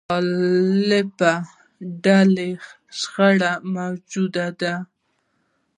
مختلف ډوله شخړې موجودې دي.